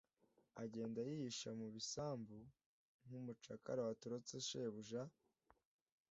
agenda yihisha mu bisambu nk'umucakara watorotse shebuja